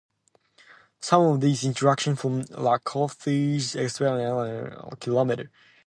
Some of these intrusions form laccoliths emplaced at depths of a few kilometers.